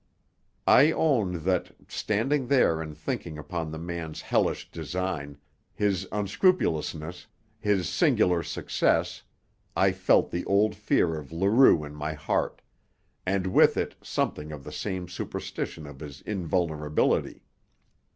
I own that, standing there and thinking upon the man's hellish design, his unscrupulousness, his singular success, I felt the old fear of Leroux in my heart, and with it something of the same superstition of his invulnerability.